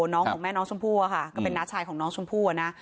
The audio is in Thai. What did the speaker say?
ของแม่น้องชมพู่อะค่ะก็เป็นน้าชายของน้องชมพู่นะ